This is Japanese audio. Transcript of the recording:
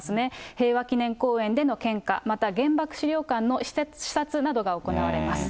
平和記念公園での献花、また原爆資料館の視察などが行われます。